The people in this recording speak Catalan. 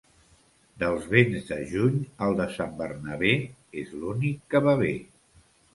Dels vents de juny, el de Sant Bernabé és l'únic que va bé.